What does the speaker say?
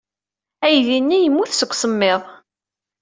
Aydi-nni yemmut seg usemmiḍ.